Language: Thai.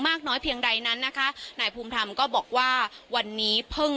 น้อยเพียงใดนั้นนะคะนายภูมิธรรมก็บอกว่าวันนี้เพิ่ง